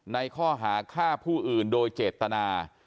ในข้อหาฆ่าผู้อื่นโดยเจตนา